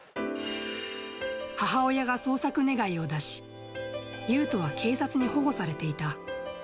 母親が捜索願を出し、ユウトは警察に保護されていた。